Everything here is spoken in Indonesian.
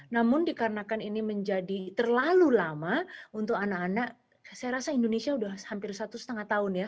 namun dikarenakan ini menjadi terlalu lama untuk anak anak saya rasa indonesia sudah hampir satu setengah tahun ya